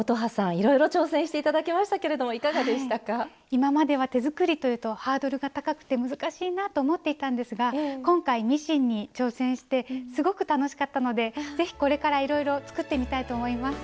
今までは手作りというとハードルが高くて難しいなと思っていたんですが今回ミシンに挑戦してすごく楽しかったのでぜひこれからいろいろ作ってみたいと思います。